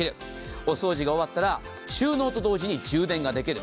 お掃除が終わったら収納と同時に充電ができる。